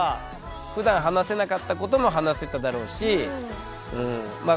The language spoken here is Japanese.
ふだん話せなかったことも話せただろうしまあ